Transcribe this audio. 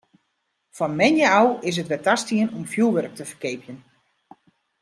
Fan moandei ôf is it wer tastien om fjoerwurk te ferkeapjen.